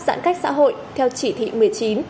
giãn cách xã hội theo chỉ thị một mươi chín